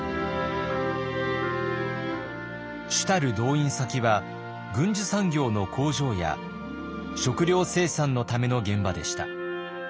主たる動員先は軍需産業の工場や食糧生産のための現場でした。